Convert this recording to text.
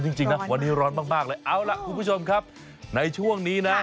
จริงนะวันนี้ร้อนมากเลยเอาล่ะคุณผู้ชมครับในช่วงนี้นะ